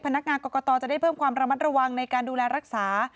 พนักงานกรกตจะได้เพิ่มความระมัดระวังในการดูแลรักษา